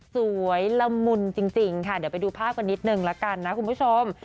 ละมุนจริงค่ะเดี๋ยวไปดูภาพกันนิดนึงละกันนะคุณผู้ชม